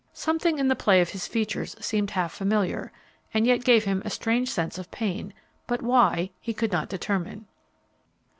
Something in the play of his features seemed half familiar, and yet gave him a strange sense of pain, but why, he could not determine.